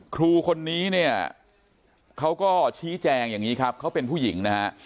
ครูคนนี้เนี่ยเขาก็ชี้แจงอย่างนี้ครับเขาเป็นผู้หญิงนะฮะ